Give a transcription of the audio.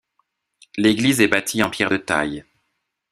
L’église est bâtie en pierres de taille.